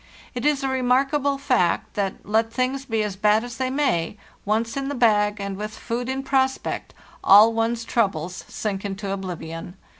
It is a remarkable fact that, let things be as bad as they may, once in the bag, and with food in prospect, all one's troubles sink into oblivion.